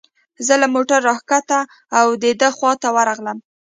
زه له موټره را کښته او د ده خواته ورغلم.